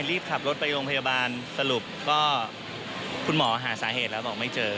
รีบขับรถไปโรงพยาบาลสรุปก็คุณหมอหาสาเหตุแล้วบอกไม่เจอ